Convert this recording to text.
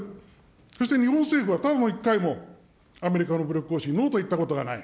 そして日本政府はただの一回もアメリカの武力行使にノーと言ったことがない。